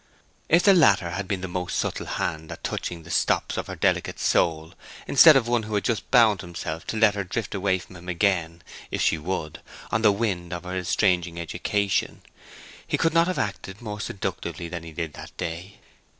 If the latter had been the most subtle hand at touching the stops of her delicate soul instead of one who had just bound himself to let her drift away from him again (if she would) on the wind of her estranging education, he could not have acted more seductively than he did that day.